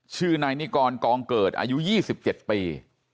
ชื่อนายนิกรกองเกิดอายุ๒๗ปี